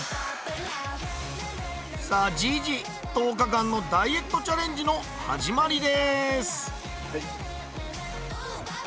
さあじいじ１０日間のダイエットチャレンジの始まりです！